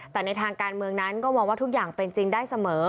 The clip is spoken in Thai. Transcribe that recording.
แต่ในทางการเมืองนั้นก็มองว่าทุกอย่างเป็นจริงได้เสมอ